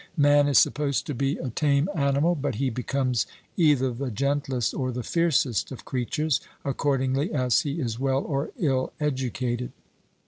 Man is supposed to be a tame animal, but he becomes either the gentlest or the fiercest of creatures, accordingly as he is well or ill educated.